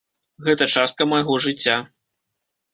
Гэта частка майго жыцця.